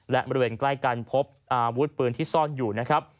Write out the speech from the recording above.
และบริเวณใกล้กันพบอาวุธปืนที่ซ่อนอยู่นะครับ